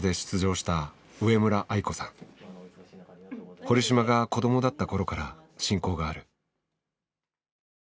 堀島が子どもだった頃から親交がある。